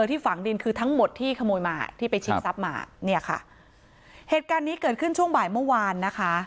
ที่ฝังดินคือทั้งหมดที่ขโมยมาที่ไปชิงทรัพย์มาเนี่ยค่ะเหตุการณ์นี้เกิดขึ้นช่วงบ่ายเมื่อวานนะคะ